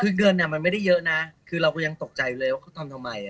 คือเงินมันไม่ได้เยอะนะคือเราก็ยังตกใจอยู่เลยว่าเขาทำทำไม